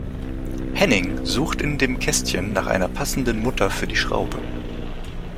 Henning sucht in dem Kästchen nach einer passenden Mutter für die Schraube.